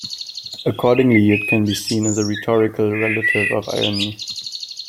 Accordingly, it can be seen as a rhetorical relative of irony.